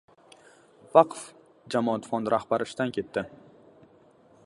«Vaqf» jamoat fondi rahbari ishdan ketdi